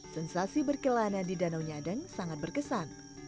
sensasi berkelana di danau nyadeng sangat berkesan